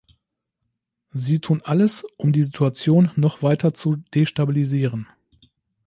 Sie tun alles, um die Situation noch weiter zu destabilisieren.